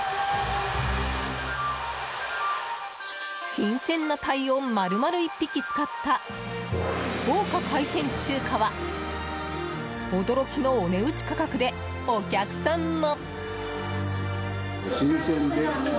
新鮮なタイを丸々１匹使った豪華海鮮中華は驚きのお値打ち価格でお客さんも。